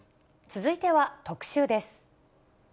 続いては特集です。